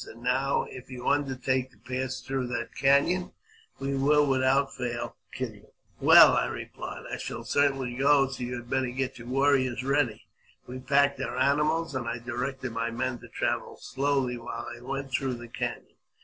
And now, if you under take to pass through that canon, we will, without fail, kill you all." " Well," I replied, " I shall certainly go, so you had better get your warriors ready." We packed our animals, and I directed my men to travel slowly while I went through the canon.